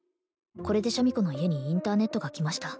これでシャミ子の家にインターネットが来ました